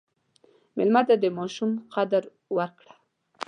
مېلمه ته د ماشوم قدر ورکړه.